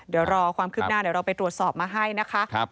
เดี๋ยวรอความคืบหน้าเดี๋ยวเราไปตรวจสอบมาให้นะคะ